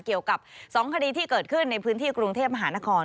เกี่ยวกับ๒คดีที่เกิดขึ้นในพื้นที่กรุงเทพมหานคร